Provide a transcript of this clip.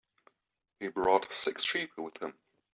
He brought six sheep with him.